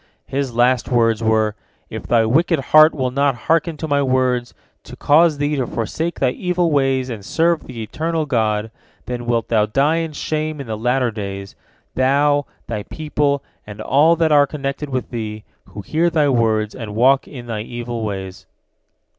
His last words were, "If thy wicked heart will not hearken to my words, to cause thee to forsake thy evil ways and serve the Eternal God, then wilt thou die in shame in the latter days, thou, thy people, and all that are connected with thee, who hear thy words, and walk in thy evil ways."